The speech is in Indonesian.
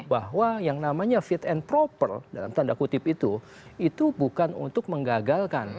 bahwa yang namanya fit and proper dalam tanda kutip itu itu bukan untuk menggagalkan